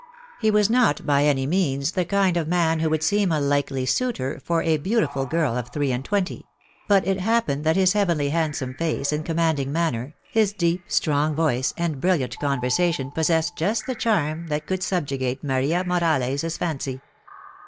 He was not by any means the kind of man who would seem a likely suitor for a beauti ful girl of three and twenty; but it happened that his heavily handsome face and commanding manner, his deep, strong voice and brilliant conversation possessed just the charm that could subjugate Maria Morales' fancy.